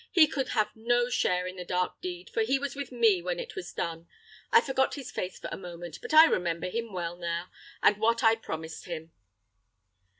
He could have no share in the dark deed: for he was with me when it was done. I forgot his face for a moment; but I remember him well now, and what I promised him."